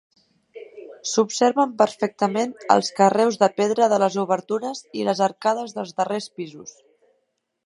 S'observen perfectament els carreus de pedra de les obertures i les arcades dels darrers pisos.